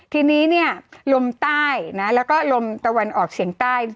ทีนี้เนี่ยลมใต้นะแล้วก็ลมตะวันออกเฉียงใต้